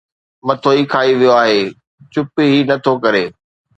مٿو ئي کائي ويو آهي چپ هي نٿو ڪري